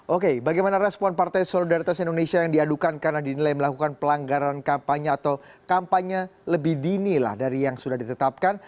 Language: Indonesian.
oke bagaimana respon partai solidaritas indonesia yang diadukan karena dinilai melakukan pelanggaran kampanye atau kampanye lebih dini lah dari yang sudah ditetapkan